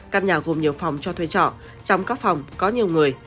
căn nhà gồm nhiều phòng cho thuê trọ trong các phòng có nhiều người